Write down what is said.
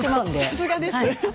さすがです。